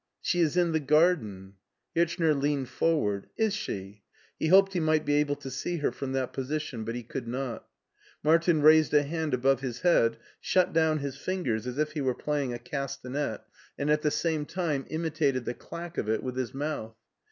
" She is in the garden." Hirchner leaned forward. "Is she?" He hoped he might be able to see her from that position, but he could not. Martin raised a hand above his head, shut down his fingers as if he were playing a castanet BERLIN 189 and at the same time imitated the clack of it with his mouth.